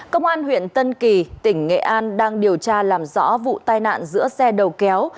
công an huyện tân kỳ tỉnh nghệ an đang điều tra làm rõ vụ tai nạn giữa xe đầu kéo